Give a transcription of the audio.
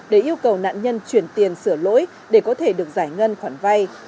để yêu cầu nạn nhân chuyển tiền sửa lỗi để có thể được giải ngân khoản vay